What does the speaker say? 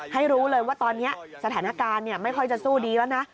ให้รู้เลยว่าตอนนี้สถานการณ์ไม่ค่อยจะสู้ดีแล้วนะ